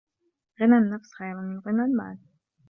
غنى النفس خير من غنى المال